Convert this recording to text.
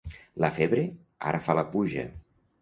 La febre ara fa la puja.